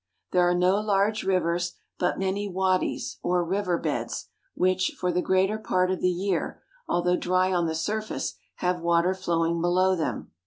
There are no large rivers, ^^^^^^^^' but many wadies, or river beds, which, for the greater part of the year, although dry on the surface, have water flow ing below them.